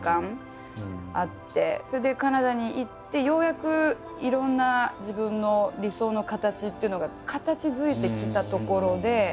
それでカナダに行ってようやくいろんな自分の理想の形っていうのが形づいてきたところで。